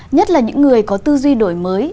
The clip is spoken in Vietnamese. nhất là những người có tư duy đổi mới